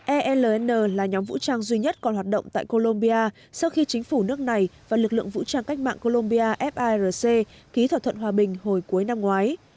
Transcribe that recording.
el là nhóm vũ trang duy nhất còn hoạt động tại colombia sau khi chính phủ nước này và lực lượng vũ trang cách mạng colombia firc ký thỏa thuận hòa bình hồi cuối năm ngoái